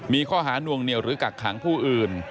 มีข้อหานวงเหนียวหรือกักขังผู้อื่น